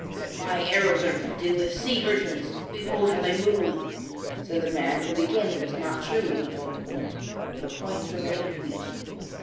'My arrows are pointed with sea urchins; behold how they move,' said the man; but again it was not true what he told the boy, for the points were made of weed.